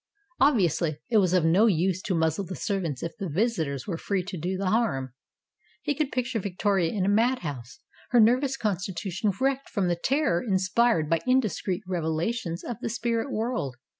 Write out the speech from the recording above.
Obviously, it was of no use to muzzle the servants if the visitors were free to do the harm. He could picture Victoria in a madhouse, her nervous constitution wrecked from the terror inspired by indiscreet revelations of the spirit world.